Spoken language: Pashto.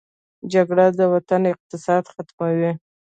جګړه د وطن اقتصاد ختموي